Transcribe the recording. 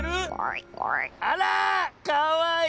あらかわいい！